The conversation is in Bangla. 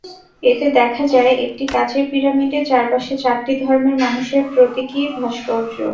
এতে দেখা যায়, একটি কাচের পিরামিডে চারপাশে চারটি ধর্মের মানুষের প্রতীকী ভাস্কর্য।